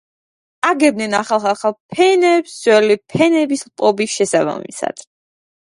აგებდნენ ახალ-ახალ ფენებს ძველი ფენების ლპობის შესაბამისად.